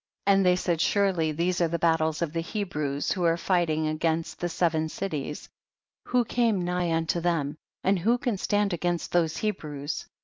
9. And they said, surely these are the battles of the Hebrews who are fighting against the seven cities ; who came nigh unto them, and who can stand against those Hebrews?